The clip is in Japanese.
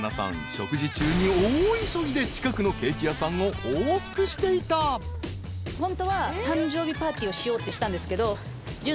食事中に大急ぎで近くのケーキ屋さんを往復していた］イェイ。